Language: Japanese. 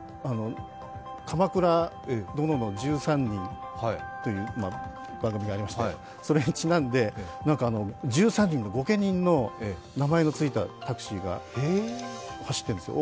「鎌倉殿の１３人」という番組がありまして、それにちなんで、１３人の御家人の名前のついたタクシーが走っているんですよ。